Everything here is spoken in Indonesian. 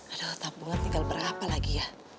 ada tabungan tinggal berapa lagi ya